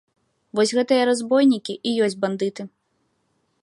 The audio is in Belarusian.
Вось гэтыя разбойнікі і ёсць бандыты.